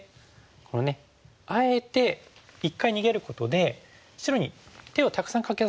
このねあえて一回逃げることで白に手をたくさんかけさせるんですよね。